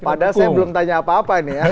padahal saya belum tanya apa apa ini ya